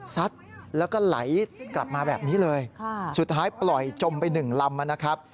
ซัดแล้วก็ไหลกลับมาแบบนี้เลยสุดท้ายปล่อยจมไปหนึ่งลำนะครับ